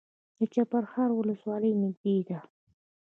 د چپرهار ولسوالۍ نږدې ده